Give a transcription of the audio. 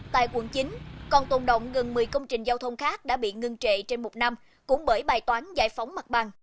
tại quận chín còn tồn động gần một mươi công trình giao thông khác đã bị ngưng trệ trên một năm cũng bởi bài toán giải phóng mặt bằng